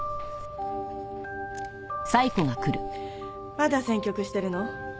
まだ選曲してるの？